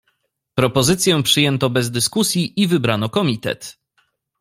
"Propozycję przyjęto bez dyskusji i wybrano komitet."